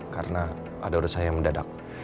karena ada urusan yang mendadak